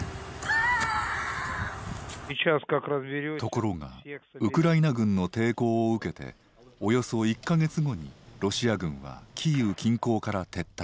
ところがウクライナ軍の抵抗を受けておよそ１か月後にロシア軍はキーウ近郊から撤退。